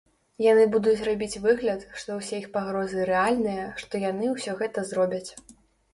Яны будуць рабіць выгляд, што ўсе іх пагрозы рэальныя, што яны ўсё гэта зробяць.